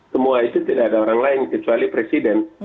semua itu tidak ada orang lain kecuali presiden